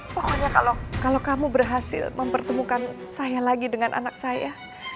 pokoknya kalau kamu berhasil mempertemukan saya lagi dengan anak saya